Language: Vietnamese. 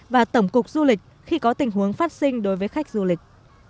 và tổng cục du lịch khi có tình huống phát sinh đối với khách du lịch